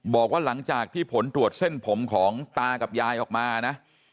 บอกว่าหลังจากที่ผลตรวจเส้นผมของตากับยายออกมานะ